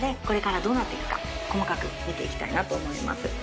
これからどうなっていくか細かく見ていきたいなと思います。